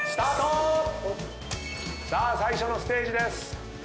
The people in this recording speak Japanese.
さあ最初のステージです。